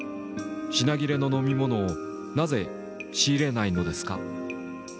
「品切れの飲み物をなぜ仕入れないのですか？」。